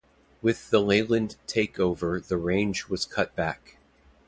With the Leyland take over the range was cut back.